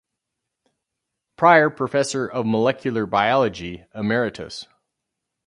Prior Professor of Molecular Biology, Emeritus.